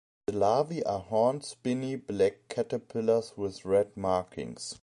The larvae are horned, spiny, black caterpillars with red markings.